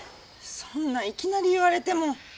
そんないきなり言われても。